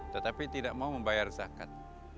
tetapi tidak mau membayar zakat